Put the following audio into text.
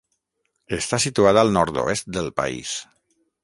Està situada al nord-oest del país.